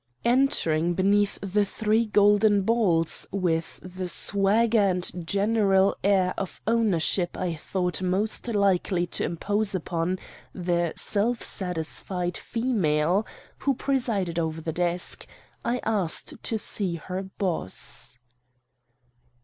"Entering beneath the three golden balls, with, the swagger and general air of ownership I thought most likely to impose upon the self satisfied female who presided over the desk, I asked to see her boss.